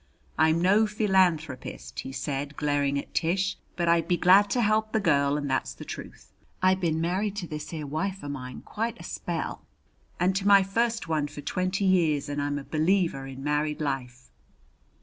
I'm no phylanthropist," he said, glaring at Tish, "but I'd be glad to help the girl, and that's the truth. I been married to this here wife o' mine quite a spell, and to my first one for twenty years, and I'm a believer in married life."